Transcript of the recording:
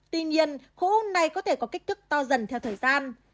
tuy nhiên khu u này có thể có kích thước to dần theo thời gian